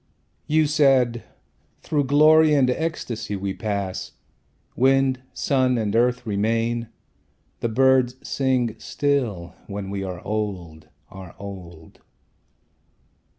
You said, "Through glory and ecstasy we pass; Wind, sun, and earth remain, the birds sing still, When we are old, are old.